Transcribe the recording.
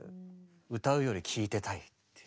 歌うより聴いてたいっていう。